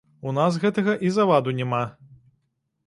У нас гэтага і заваду няма.